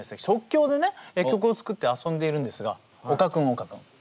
即興でね曲を作って遊んでいるんですが岡君岡君